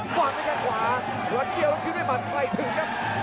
กว้างไปข้างขวาหวานเกลียวลงขึ้นด้วยบันไฟถึงครับ